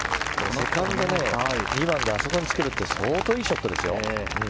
セカンドが２番であそこにつけるって相当いいショットですよ。